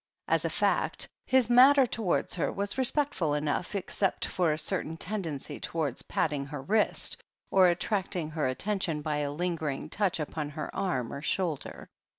As a fact, his manner towards her was respectful enough except for a certain tendency towards patting her wrist, or attracting her attention by a lingering touch upon her arm or her shoulder.